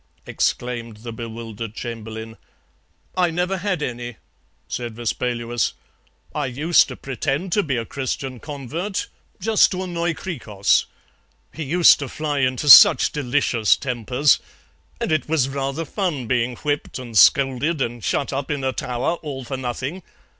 exclaimed the bewildered Chamberlain. "'I never had any,' said Vespaluus; 'I used to pretend to be a Christian convert just to annoy Hkrikros. He used to fly into such delicious tempers. And it was rather fun being whipped and scolded and shut up in a tower all for nothing.